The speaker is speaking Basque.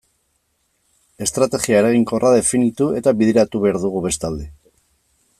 Estrategia eraginkorra definitu eta bideratu behar dugu bestalde.